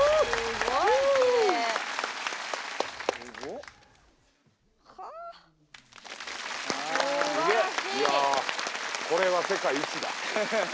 いやあこれは世界一だ。